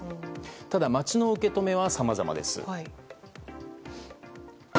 ただ、街の受け止めはさまざまです。